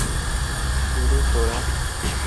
কে রে তোরা?